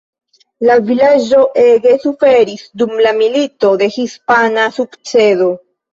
La vilaĝo ege suferis dum la Milito de hispana sukcedo.